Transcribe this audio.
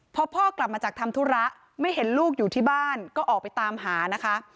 พอพ่อกลับมาจากทำธุระไม่เห็นลูกอยู่ที่บ้านก็ออกไปตามหานะคะ